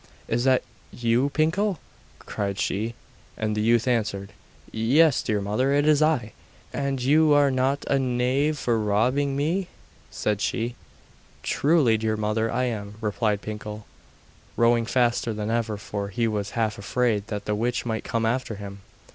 'Is that you, Pinkel?' cried she; and the youth answered: 'Yes, dear mother, it is I!' 'And are you not a knave for robbing me?' said she. 'Truly, dear mother, I am,' replied Pinkel, rowing faster than ever, for he was half afraid that the witch might come after him.